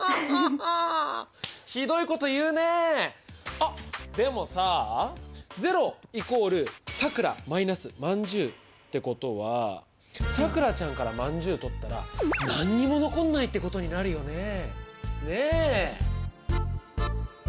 あっでもさあ０＝さくらーまんじゅうってことはさくらちゃんからまんじゅう取ったら何にも残んないってことになるよねえ。